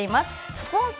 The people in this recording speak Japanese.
副音声